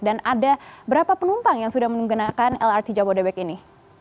dan ada berapa penumpang yang sudah menggunakan lrt jabodebek ini